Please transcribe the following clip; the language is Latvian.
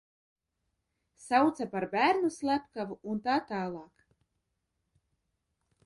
Sauca par bērnu slepkavu un tā tālāk!